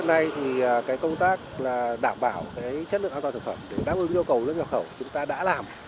trước đến nay công tác đảm bảo chất lượng an toàn thực phẩm để đáp ứng yêu cầu lưới nhập khẩu chúng ta đã làm